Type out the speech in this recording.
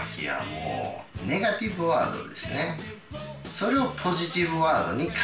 それを。